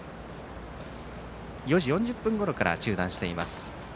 ４時４０分ごろから中断しています。